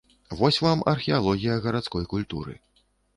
Вось вам археалогія гарадской культуры.